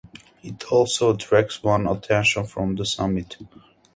It also attracts one's attention from the summit.